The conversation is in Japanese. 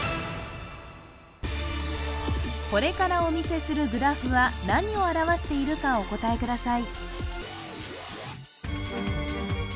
これからお見せするグラフは何を表しているかお答えください